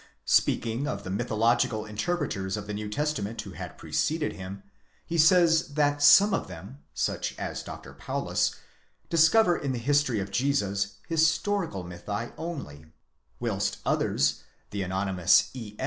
Speaking of the mythological interpreters of the New Testament who had preceded him, he says that some of them, such as Dr. Paulus, discover in the history of Jesus historical mythi only; whilst others, the anonymous E.